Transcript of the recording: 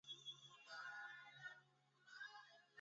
Mapishi ya viazi na majani yake